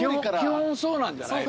基本そうなんじゃない？